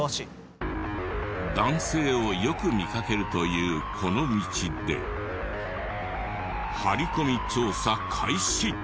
男性をよく見かけるというこの道で張り込み調査開始！